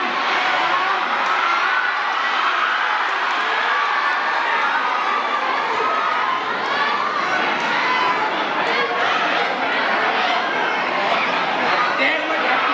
สวัสดีครับ